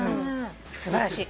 素晴らしい。